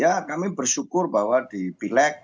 ya kami bersyukur bahwa di pileg